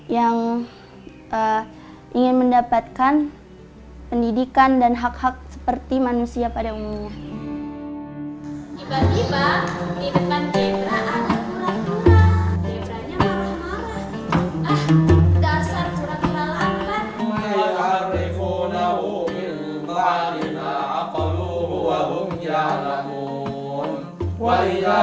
yang ingin mendapatkan pendidikan dan hak hak seperti manusia pada umumnya